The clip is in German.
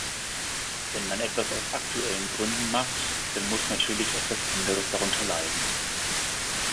Wenn man etwas aus aktuellen Gründen macht, dann muss natürlich etwas anderes darunter leiden.